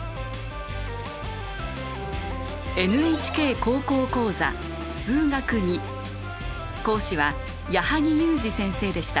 「ＮＨＫ高校講座数学Ⅱ」講師は矢作裕滋先生でした。